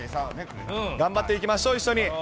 頑張っていきましょう、一緒に。